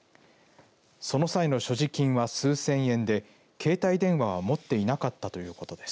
その際の所持金は数千円で携帯電話は持っていなかったということです。